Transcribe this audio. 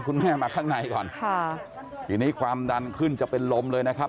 คุณแม่มาข้างในก่อนค่ะทีนี้ความดันขึ้นจะเป็นลมเลยนะครับ